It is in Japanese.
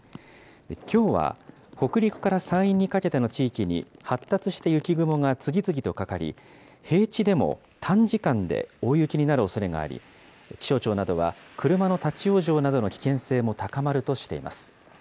きょうは、北陸から山陰にかけての地域に発達した雪雲が次々とかかり、平地でも短時間で大雪になるおそれがあり、気象庁などは、車の立往生などの危険性も高まるとしています。